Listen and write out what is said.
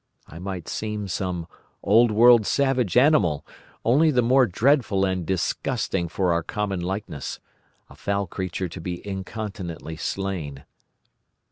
I might seem some old world savage animal, only the more dreadful and disgusting for our common likeness—a foul creature to be incontinently slain.